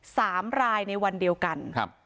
สามรายในวันเดียวกันครับ